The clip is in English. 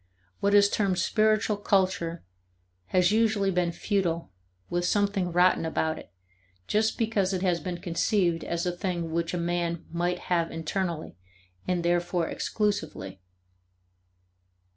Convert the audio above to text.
What is termed spiritual culture has usually been futile, with something rotten about it, just because it has been conceived as a thing which a man might have internally and therefore exclusively.